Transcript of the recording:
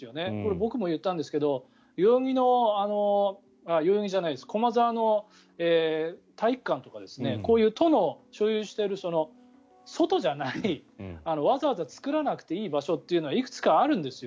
僕も言ったんですけど駒沢の体育館とかこういう都の所有している外じゃないわざわざ作らなくていい場所というのはいくつかあるんですよ。